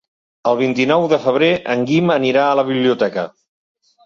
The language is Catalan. El vint-i-nou de febrer en Guim anirà a la biblioteca.